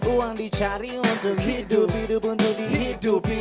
uang dicari untuk hidup hidup untuk dihidupi